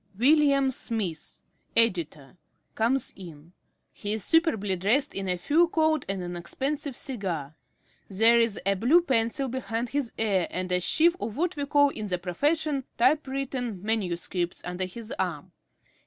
_ William Smith, Editor, _comes in. He is superbly dressed in a fur coat and an expensive cigar. There is a blue pencil behind his ear, and a sheaf of what we call in the profession "typewritten manuscripts" under his arm.